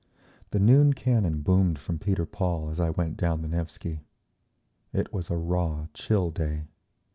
The noon cannon boomed from Peter Paul as I went down the Nevsky. It was a raw, chill day.